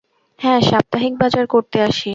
হ্যাঁ, সাপ্তাহিক বাজার করতে আসি।